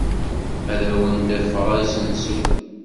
Ad awen-d-afeɣ asensu.